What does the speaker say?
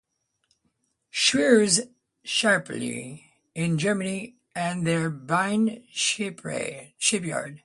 Schweers Shipyard in Germany at their Berne shipyard.